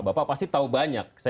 bapak pasti tahu banyak